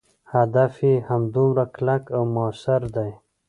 هدف یې همدومره کلک او موثر دی.